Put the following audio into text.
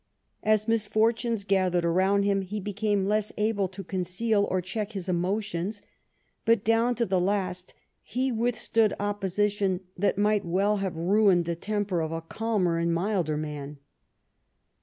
As misfortunes gathered around him he became less able to conceal or check his emotions ; but down to the last he withstood opposition that might well have ruined the temper of a calmer and milder man.